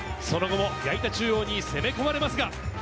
その後も矢板中央に攻め込まれますが。